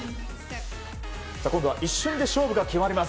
今度は一瞬で勝負が決まります。